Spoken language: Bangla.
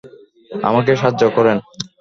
আমাকে সাহায্য করেন।